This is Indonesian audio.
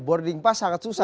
boarding pass sangat susah